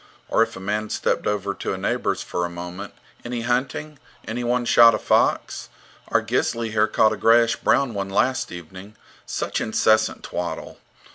Or if a man stepped over to a neighbour's for a moment: Any hunting? Anyone shot a fox? Our Gisli here caught a grayish brown one last evening. Such incessant twaddle!